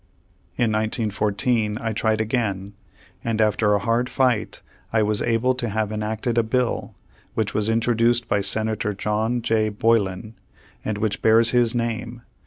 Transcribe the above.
In 1914 I tried again, and after a hard fight I was able to have enacted a bill, which was introduced by Senator John J. Boylan, and which bears his name.